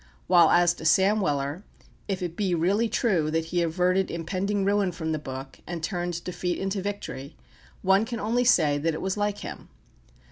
While as to Sam Weller, if it be really true that he averted impending ruin from the book, and turned defeat into victory, one can only say that it was like him.